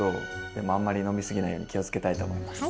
でもあんまり飲み過ぎないように気をつけたいと思います。